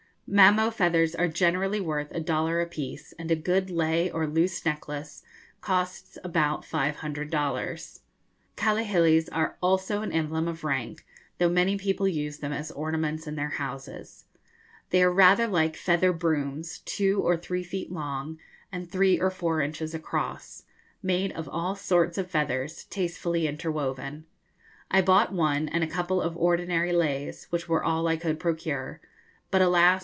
Mamo feathers are generally worth a dollar a piece, and a good lei or loose necklace costs about five hundred dollars. Kahilis are also an emblem of rank, though many people use them as ornaments in their houses. They are rather like feather brooms, two or three feet long, and three or four inches across, made of all sorts of feathers, tastefully interwoven. I bought one, and a couple of ordinary leis, which were all I could procure. But, alas!